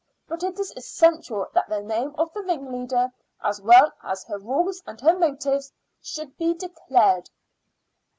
But it is essential that the name of the ringleader, as well as her rules and her motives, should be declared."